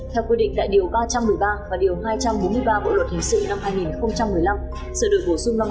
theo quy định tại điều ba trăm một mươi ba và điều hai trăm bốn mươi ba bộ luật hình sự năm hai nghìn một mươi năm sửa đổi bổ sung năm hai nghìn một mươi